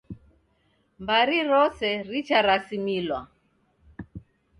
Mbari rose richarasimilwa